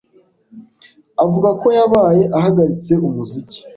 avuga ko yabaye ahagaritse umuziki.